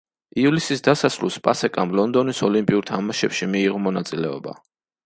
ივლისის დასასრულს პასეკამ ლონდონის ოლიმპიურ თამაშებში მიიღო მონაწილეობა.